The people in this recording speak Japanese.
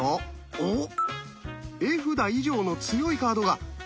おっ！